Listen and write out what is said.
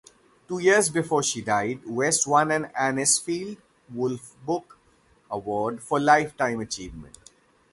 Two years before she died, West won an Anisfield-Wolf Book Award for Lifetime Achievement.